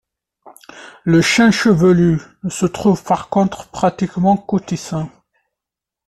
Le chêne chevelu ne se trouve par contre pratiquement qu'au Tessin.